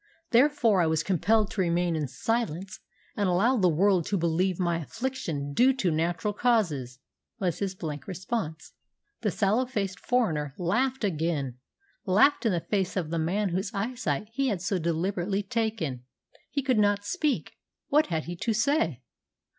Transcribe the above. Therefore I was compelled to remain in silence, and allow the world to believe my affliction due to natural causes," was his blank response. The sallow faced foreigner laughed again, laughed in the face of the man whose eyesight he had so deliberately taken. He could not speak. What had he to say?